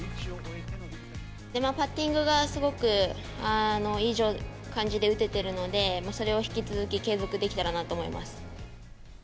パッティングがすごくいい感じで打てているので、それを引き続き継続できたらなと思います。